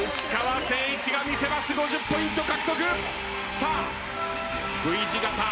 さあＶ字形